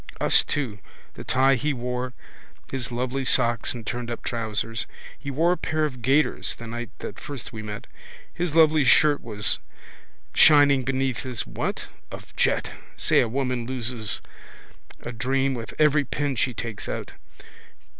Us too: the tie he wore, his lovely socks and turnedup trousers. He wore a pair of gaiters the night that first we met. His lovely shirt was shining beneath his what? of jet. Say a woman loses a charm with every pin she takes out.